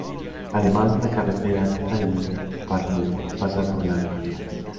Además la carretera Tallin Pärnu pasa por la localidad.